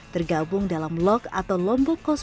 tergabung dalam log atau lombok cost